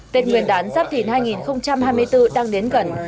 tết nguyên đán giáp thìn hai nghìn hai mươi bốn đang đến gần